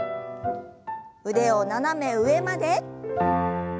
腕を斜め上まで。